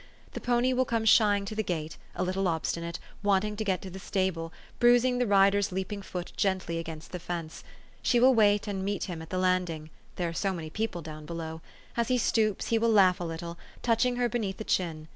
The pony will come shying to the gate, a little obstinate, wanting to get to the stable, bruising the rider's leaping foot gently against the fence. She will wait and meet him at the landing there are so many people down below. As he stoops, he will laugh a little, touching her beneath the chin.